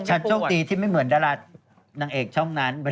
โชคดีที่ไม่เหมือนดารานางเอกช่องนั้น